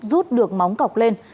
rút được móng cọc lên